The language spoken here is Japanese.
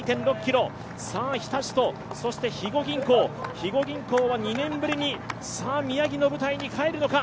残り２．６ｋｍ、日立と肥後銀行、肥後銀行は２年ぶりに宮城の舞台に帰るのか。